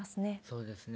そうですね。